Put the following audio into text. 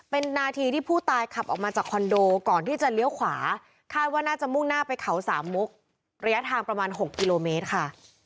เป็นนาทีที่ผู้ตายขับออกมาจากคอนโดก่อนที่จะเลี้ยวขวาคาดว่าน่าจะมุ่งหน้าไปเขาสามมุกระยะทางประมาณ๖กิโลเมตรค่ะ